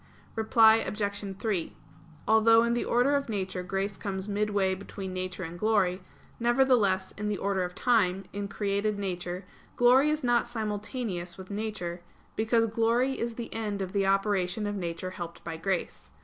Reply Obj. 3: Although in the order of nature grace comes midway between nature and glory, nevertheless, in the order of time, in created nature, glory is not simultaneous with nature; because glory is the end of the operation of nature helped by grace.